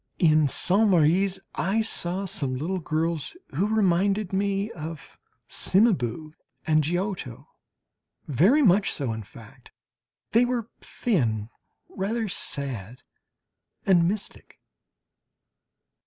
In Saintes Maries I saw some little girls who reminded me of Cimabue and Giotto very much so, in fact; they were thin, rather sad, and mystic.